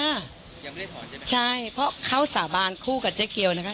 ยังไม่ได้ถอนใช่ไหมใช่เพราะเขาสาบานคู่กับเจ๊เกียวนะคะ